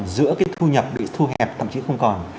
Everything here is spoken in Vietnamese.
giữa cái thu nhập bị thu hẹp thậm chí không còn